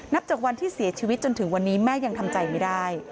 จากวันที่เสียชีวิตจนถึงวันนี้แม่ยังทำใจไม่ได้